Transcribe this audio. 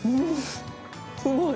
すごい！